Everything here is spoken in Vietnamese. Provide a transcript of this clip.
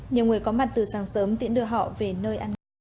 nhiều người có mặt từ sáng sớm tiễn đưa họ về nơi ăn nghỉ